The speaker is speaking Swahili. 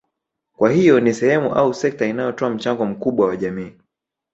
Kwa hiyo ni sehemu au sekta inayotoa mchango mkubwa kwa jamii